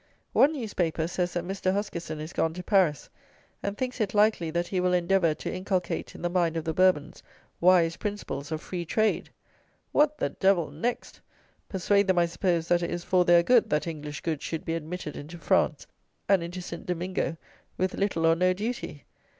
One newspaper says that Mr. Huskisson is gone to Paris, and thinks it likely that he will endeavour to "inculcate in the mind of the Bourbons wise principles of free trade!" What the devil next! Persuade them, I suppose, that it is for their good that English goods should be admitted into France and into St. Domingo with little or no duty?